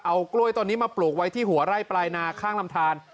เอากล้วยตอนนี้มาปลูกไว้ที่หัวไร่ปลายนาข้างลำทาน